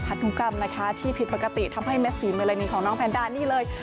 ธุกรรมนะคะที่ผิดปกติทำให้เม็ดสีเมรณีของน้องแพนด้านี่เลย